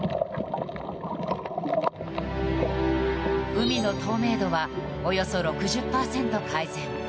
海の透明度はおよそ６０％改善。